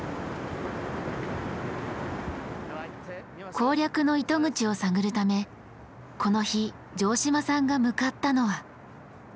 攻略の糸口を探るためこの日城島さんが向かったのは。